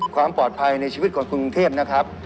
ความปลอดภัยในชีวิตของกรุงเทพนะครับ